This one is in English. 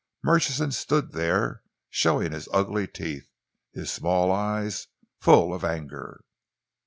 Murchison stood there, showing his ugly teeth, his small eyes full of anger.